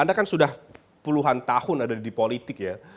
anda kan sudah peluhan tahun di politik ya